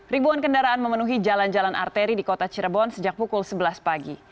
ribuan kendaraan memenuhi jalan jalan arteri di kota cirebon sejak pukul sebelas pagi